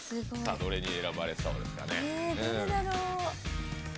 どれが選ばれそうですかね。